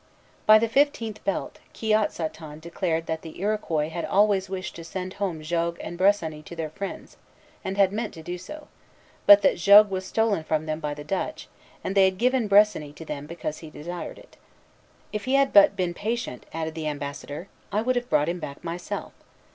By the fifteenth belt, Kiotsaton declared that the Iroquois had always wished to send home Jogues and Bressani to their friends, and had meant to do so; but that Jogues was stolen from them by the Dutch, and they had given Bressani to them because he desired it. "If he had but been patient," added the ambassador, "I would have brought him back myself.